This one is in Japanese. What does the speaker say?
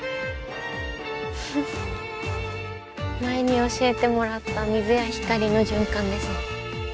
前に教えてもらった水や光の循環ですね。